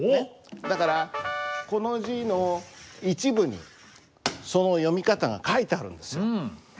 だからこの字の一部にその読み方が書いてあるんですよ。